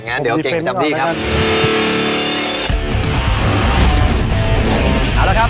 อ่าเดี๋ยวผมกว่านี้แหวะ